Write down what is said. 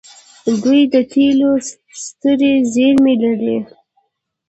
دوی د تیلو سترې زیرمې لري.